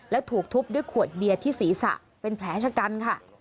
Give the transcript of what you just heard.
แล้วถูกทุบด้วยขวดเบียร์ที่ศีรษะเป็นแผลชะกันค่ะ